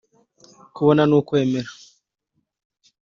kubona ni ukwemera